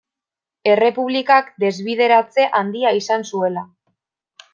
Errepublikak desbideratze handia izan zuela.